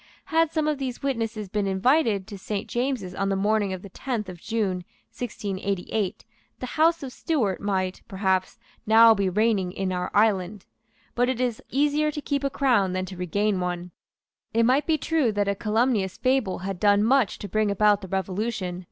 Had some of these witnesses been invited to Saint James's on the morning of the tenth of June 1688, the House of Stuart might, perhaps, now be reigning in our island. But it is easier to keep a crown than to regain one. It might be true that a calumnious fable had done much to bring about the Revolution.